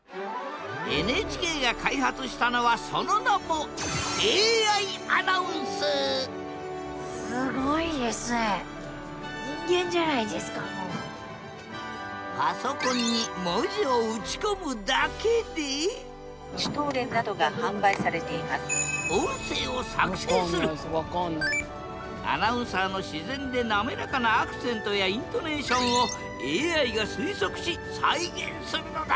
ＮＨＫが開発したのはその名もパソコンに文字を打ち込むだけでアナウンサーの自然で滑らかなアクセントやイントネーションをＡＩが推測し再現するのだ！